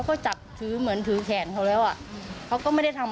ก็จำเนินค่ะดีครับ